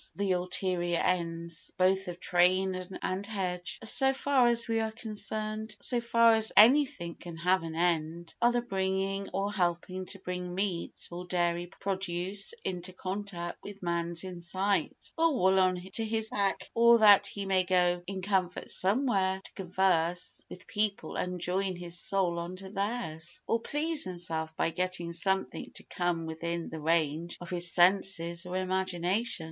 The ulterior ends, both of train and hedge, so far as we are concerned, and so far as anything can have an end, are the bringing or helping to bring meat or dairy produce into contact with man's inside, or wool on to his back, or that he may go in comfort somewhere to converse with people and join his soul on to theirs, or please himself by getting something to come within the range of his senses or imagination.